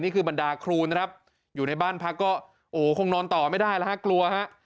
บรรดาครูนะครับอยู่ในบ้านพักก็โอ้โหคงนอนต่อไม่ได้แล้วฮะกลัวฮะ